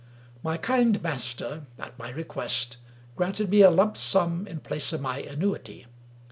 My kind master, at my request, granted me a lump sum in place of my annuity.